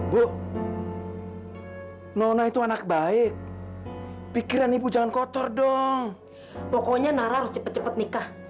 bu nona itu anak baik pikiran ibu jangan kotor dong pokoknya narasimu cepet nikah